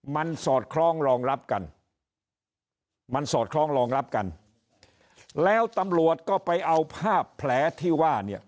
มันสอดคล้องรองรับกันมันสอดคล้องรองรับกันแล้วตำรวจก็ไปเอาภาพแผลที่ว่าเนี่ย